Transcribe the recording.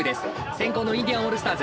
先攻のインディアン・オールスターズ。